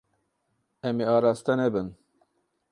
Em ê araste nebin.